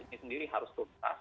ini sendiri harus tuntas